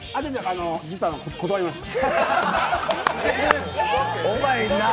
実は断りました。